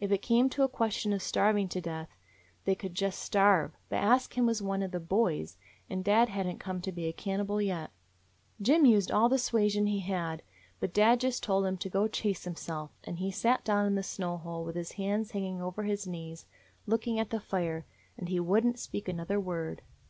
If it came to a question of starving to death, they could just starve, but Ask Him was one of the 'boys,' and dad had n't come to be a cannibal yet. Jim used all the suasion he had. But dad just told him to go chase himself, and he sat down in the snow hole with his hands hanging over his knees, looking at the fire; and he would n't speak another word.